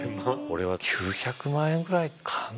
俺は９００万円ぐらいかな。